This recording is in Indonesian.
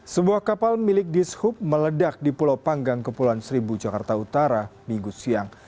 sebuah kapal milik dishub meledak di pulau panggang kepulauan seribu jakarta utara minggu siang